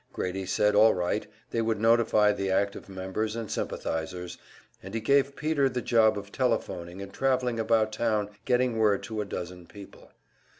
Grady said all right, they would notify the active members and sympathizers, and he gave Peter the job of telephoning and travelling about town getting word to a dozen people.